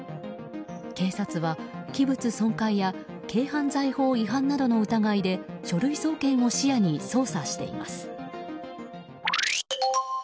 警察は器物損壊や軽犯罪法違反などの疑いで書類送検を視野に捜査しています。